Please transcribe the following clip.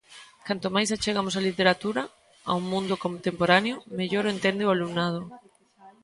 Canto máis achegamos á literatura ao mundo contemporáneo, mellor a entende o alumnado.